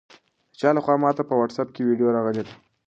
د چا لخوا ماته په واټساپ کې ویډیو راغلې ده؟